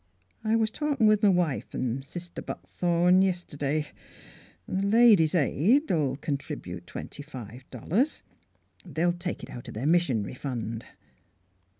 I was talkin' with m' wife an' Sister Buckthorn yist'day, an' the Ladies' Aid '11 contribute twenty five dollars. They'll take it out their missionary fund."